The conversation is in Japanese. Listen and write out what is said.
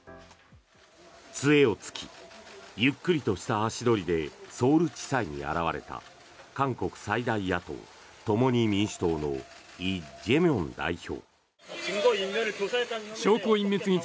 杖をつきゆっくりとした足取りでソウル地裁に現れた韓国最大野党・共に民主党のイ・ジェミョン代表。